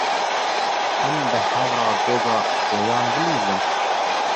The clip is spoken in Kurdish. Em bi hev re goga pêyan bilîzin.